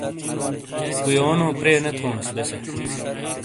پُویونو پرے نے تھونیس بیسے۔